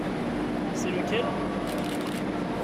C’est lequel ?